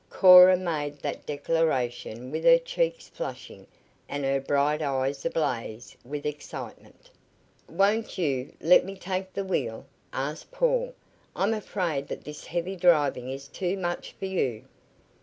Cora made that declaration with her cheeks flushing and her bright eyes ablaze with excitement. "Won't you, let me take the wheel?" asked Paul. "I am afraid that this heavy driving is too much for you."